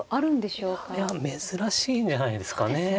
いや珍しいんじゃないですかね。